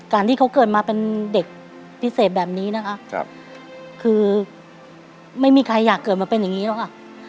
การที่เขาเกิดมาเป็นเด็กพิเศษแบบนี้นะคะคือไม่มีใครอยากเกิดมาเป็นอย่างนี้หรอกค่ะ